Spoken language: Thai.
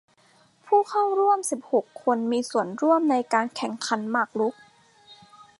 ผู้เข้าร่วมสิบหกคนมีส่วนร่วมในการแข่งขันหมากรุก